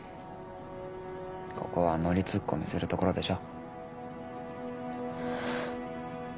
ここはノリツッコミするところでしょ。